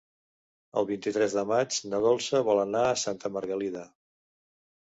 El vint-i-tres de maig na Dolça vol anar a Santa Margalida.